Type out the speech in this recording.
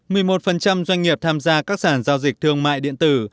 một mươi một doanh nghiệp tham gia các sản giao dịch thương mại điện tử